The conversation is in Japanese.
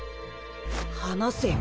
離せよ。